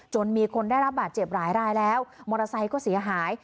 มีคนได้รับบาดเจ็บหลายรายแล้วมอเตอร์ไซค์ก็เสียหาย